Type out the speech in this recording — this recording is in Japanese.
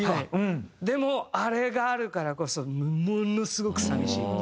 でもあれがあるからこそものすごく寂しいっていう。